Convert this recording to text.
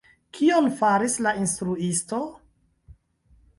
Kion faris la instruisto?